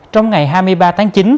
trong ngày hai mươi ba tháng chín